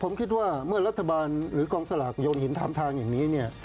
ผมคิดว่าเมื่อรัฐบาลหรือกองสลากยงเห็นถามทางอย่างนี้เนี่ย